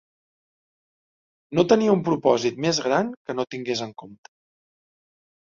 No tenia un propòsit més gran que no tingués en compte.